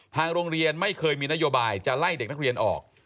ทางโรงเรียนไม่เคยมีนโยบายจะไล่เด็กนักเรียนออก